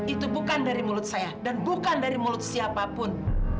itu bukan dari mulut saya dan bukan dari mulut siapapun